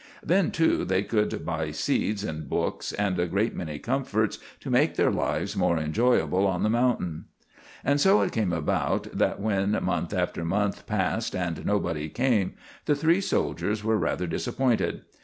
Then, too, they could buy seeds and books and a great many comforts to make their lives more enjoyable on the mountain. And so it came about that, when month after month passed and nobody came, the three soldiers were rather disappointed.